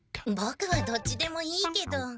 ボクはどっちでもいいけど。